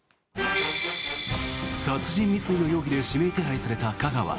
殺人未遂の容疑で指名手配された架川。